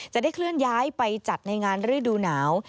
จะได้เคลื่อนย้ายไปจัดในงานฤดูหนาว